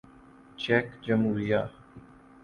check جمہوریہ